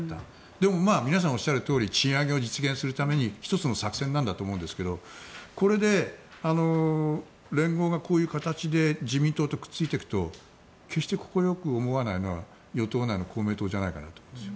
でも皆さんおっしゃるとおり賃上げを実現するために１つの作戦なんだと思いますがこれで連合がこういう形で自民党とくっついていくと決して快く思わないのは与党内の公明党じゃないかなと思うんです。